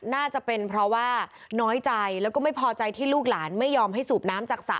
น่าจะเป็นเพราะว่าน้อยใจแล้วก็ไม่พอใจที่ลูกหลานไม่ยอมให้สูบน้ำจากสระ